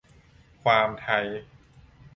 ความ "ไทย"